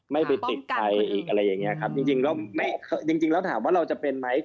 ไม่ไปติดใครอีกอะไรอย่างนี้ครับจริงแล้วถามว่าเราจะเป็นไหม